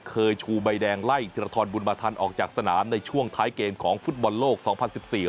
ชูใบแดงไล่ธิรทรบุญมาทันออกจากสนามในช่วงท้ายเกมของฟุตบอลโลกสองพันสิบสี่